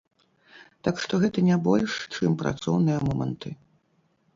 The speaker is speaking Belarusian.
Так што гэта не больш чым працоўныя моманты.